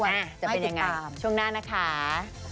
ให้ติดตามจะเป็นยังไงช่วงหน้านะคะ